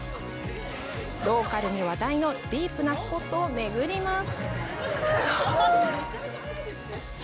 ローカルに話題のディープなスポットを巡ります。